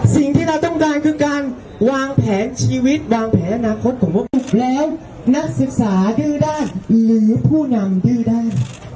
สิ่งที่เราต้องการคือการวางแผนชีวิตวางแผนอนาคตของพวกแล้วนักศึกษาดื้อได้หรือผู้นำดื้อได้